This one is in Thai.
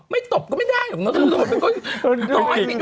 ไม่ตบก็ไม่ได้